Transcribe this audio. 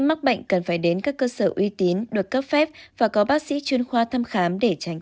mắc bệnh cần phải đến các cơ sở uy tín được cấp phép và có bác sĩ chuyên khoa thăm khám để tránh